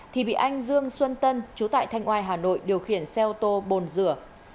thì bị anh dương xuân tân chú tại thanh oai hà nội điều khiển xe ô tô bồn rửa